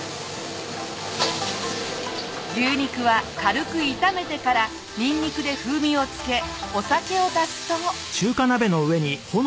牛肉は軽く炒めてからニンニクで風味を付けお酒を足すと。